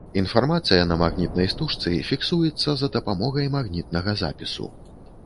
Інфармацыя на магнітнай стужцы фіксуецца за дапамогай магнітнага запісу.